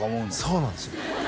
そうなんですよ